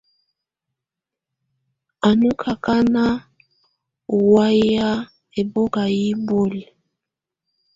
Á nɔ̀ akanà ù wayɛ̀á ɛbɔka yi bɔ̀óli.